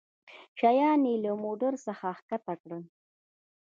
شيان يې له موټرڅخه کښته کړل.